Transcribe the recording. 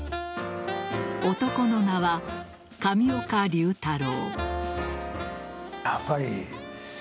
男の名は上岡龍太郎。